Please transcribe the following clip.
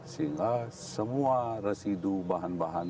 sehingga semua residu bahan bahan